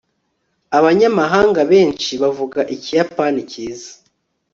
abanyamahanga benshi bavuga ikiyapani cyiza